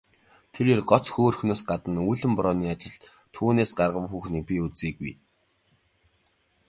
Тэрээр гоц хөөрхнөөс гадна үүлэн борооны ажилд түүнээс гаргуу хүүхнийг би үзээгүй.